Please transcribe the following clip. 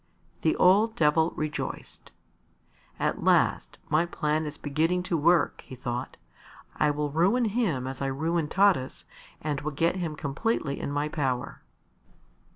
The old Devil rejoiced. "At last my plan is beginning to work!" he thought. "I will ruin him as I ruined Taras, and will get him completely in my power."